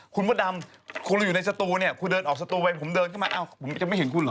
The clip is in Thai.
คุณพ่อดำเครื่องเราอยู่ในสตูเนี่ยคุณเดินออกสตูไปผมเดินมาอ้าวมันไม่เห็นคุณเหรอ